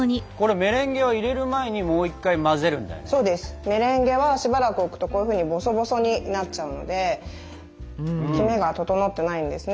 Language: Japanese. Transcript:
メレンゲはしばらく置くとこういうふうにボソボソになっちゃうのできめが整ってないんですね。